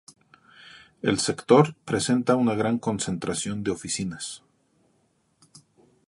El sector presenta una gran concentración de oficinas.